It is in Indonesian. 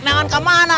enggak mau kemana